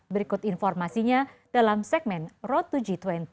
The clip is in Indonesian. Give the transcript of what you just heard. berikut informasinya dalam segmen road to g dua puluh